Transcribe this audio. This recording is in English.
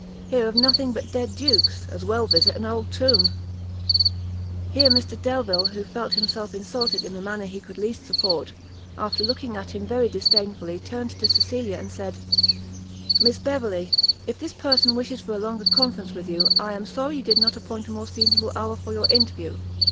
hear of nothing but dead dukes; as well visit an old tomb." Here Mr Delvile, who felt himself insulted in a manner he could least support, after looking at him very disdainfully, turned to Cecilia, and said "Miss Beverley, if this person wishes for a longer conference with you, I am sorry you did not appoint a more seasonable hour for your interview."